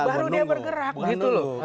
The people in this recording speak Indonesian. baru dia bergerak gitu loh